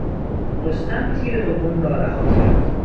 رستم تیر دوم را رها کرد.